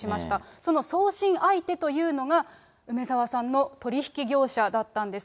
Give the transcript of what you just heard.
その送信相手というのが、梅澤さんの取り引き業者だったんです。